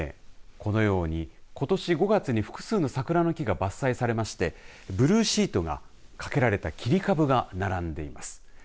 このように、ことし５月に複数の桜の木が伐採されましてブルーシートが掛けられた切り株が並んでいます。